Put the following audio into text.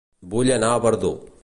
Vull anar a Verdú